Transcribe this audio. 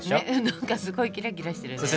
何かすごいキラキラしてるね。